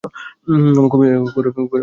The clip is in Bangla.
করে চিৎকার করছ!